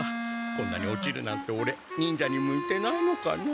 こんなに落ちるなんてオレ忍者に向いてないのかな。